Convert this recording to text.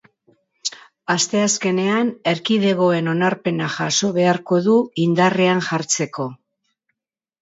Asteazkenean erkidegoen onarpena jaso beharko du indarrean jartzeko.